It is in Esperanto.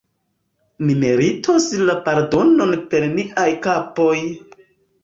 Ni meritos la pardonon per niaj kapoj!